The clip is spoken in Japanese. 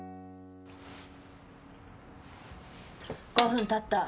５分経った。